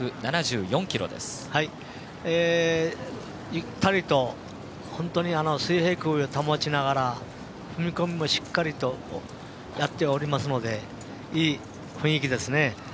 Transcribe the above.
ゆったりと本当に水平クビを保ちながら、踏み込みもしっかりとやっておりますのでいい雰囲気ですね。